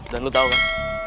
dan lu tau kan